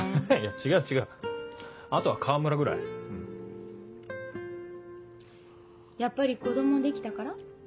違う違うあとは河村ぐらいやっぱり子供できたから？